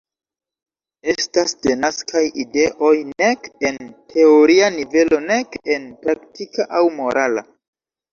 Estas denaskaj ideoj nek en teoria nivelo nek en praktika aŭ morala.